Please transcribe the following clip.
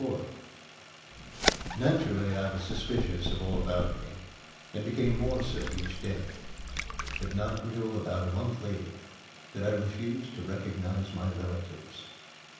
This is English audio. IV NATURALLY I was suspicious of all about me, and became more so each day. But not until about a month later did I refuse to recognize my relatives.